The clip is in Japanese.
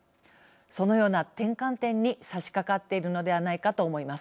そのような転換点にさしかかっているのではないかと思います。